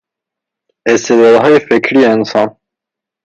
استعدادهای فکری انسان